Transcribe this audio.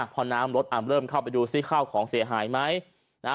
พอน้ำรถเริ่มเข้าไปดูซิข้าวของเสียหายไหมนะฮะ